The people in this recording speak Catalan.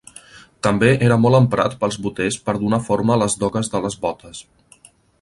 També era molt emprat pels boters per donar forma a les dogues de les bótes.